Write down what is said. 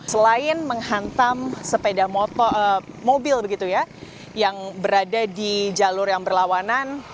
selain menghantam mobil yang berada di jalur yang berlawanan